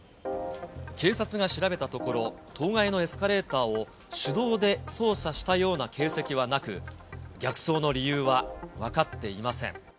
警察が調べたところ、当該のエスカレーターを手動で操作したような形跡はなく、逆走の理由は分かっていません。